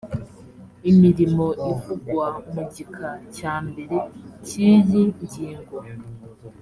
imirimo ivugwa mu gika cya mbere cy iyi ngingo